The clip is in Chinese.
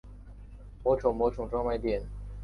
魔宠魔宠专卖店